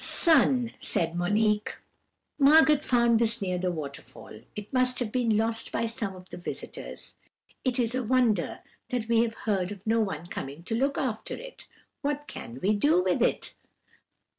"'Son,' said Monique, 'Margot found this near the waterfall; it must have been lost by some of the visitors; it is a wonder that we have heard of no one coming to look after it. What can we do with it?'